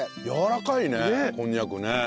やわらかいねこんにゃくね。